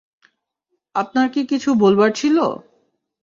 আপনার কী কিছু বলার ছিল?